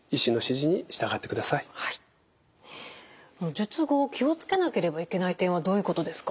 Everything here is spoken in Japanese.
術後気を付けなければいけない点はどういうことですか？